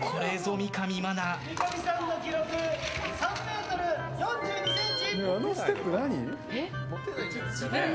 三上さんの記録、３ｍ４２ｃｍ。